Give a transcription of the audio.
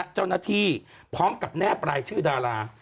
เจ้าหน้าที่พร้อมกับแนบรายชื่อดารา